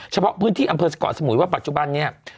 เฉพาะพื้นที่อำเภอสเกาะสมุยว่าปัจจุบันเนี่ย